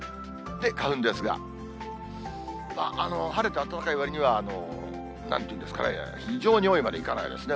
花粉ですが、晴れて暖かいわりには、なんて言うんですかね、非常に多いまで行かないですね。